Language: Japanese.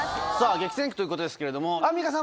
激戦区ということですけれどもアンミカさん